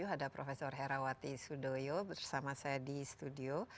ada prof herawati sudoyo bersama saya di studio